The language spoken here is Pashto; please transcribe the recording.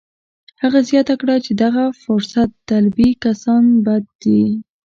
هغه زیاته کړه چې دغه فرصت طلبي کسان بد دي